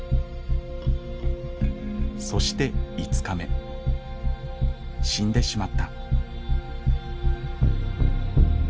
そして死んでしまった。